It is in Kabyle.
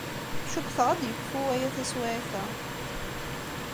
Cukkteɣ ad d-yekfu waya taswiɛt-a.